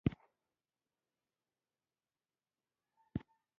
ستړي ستړي دا سوالونه.